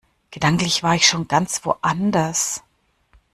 Gedanklich war ich schon ganz woanders.